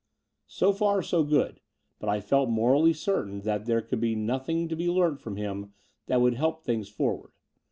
So far, so good : but I felt morally certain that there could be nothing to be learnt from him that would help things forward.